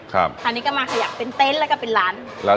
คราวนี้ก็มาขยับเป็นเต็นต์แล้วก็เป็นร้าน